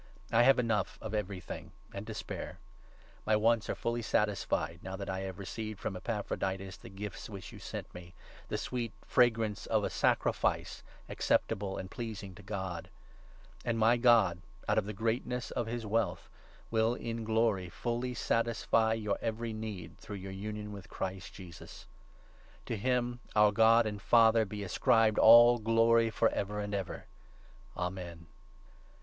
I have enough of everything, and to spare. My wants are fully satisfied, now that I have received from 18 Epaphroditus the gifts which you sent me — the sweet fra grance of a sacrifice acceptable and pleasing to God. And 19 my God, out of the greatness of his wealth, will, in glory, fully satisfy your every need, through your union with Christ Jesus. To him, our God and Father, be ascribed all glory for ever 20 and ever. Amen.